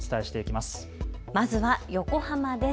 まずは横浜です。